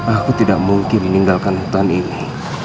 aku tidak mungkin meninggalkan hutan ini